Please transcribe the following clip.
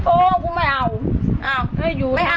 โอ้ยกูไม่เอา